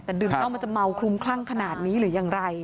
แต่ดื่มเหล้ามันจะเมาคลุมคลั่งขนาดนี้หรืออย่างไร